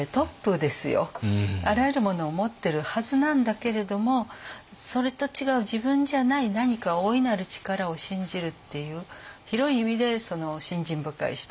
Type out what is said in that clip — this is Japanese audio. あらゆるものを持ってるはずなんだけれどもそれと違う自分じゃない何か大いなる力を信じるっていう広い意味で信心深い人。